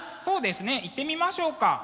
そうですねいってみましょうか。